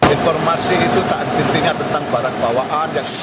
informasi itu tak ada intinya tentang barang bawaan yang diperbolehkan yang dibatasi